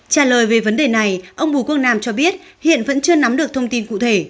trả lời về vấn đề này ông bùi quốc nam cho biết hiện vẫn chưa nắm được thông tin cụ thể